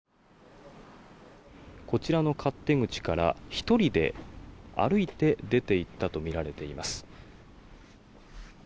こちらの勝手口から１人で歩いて出ていったとみられています。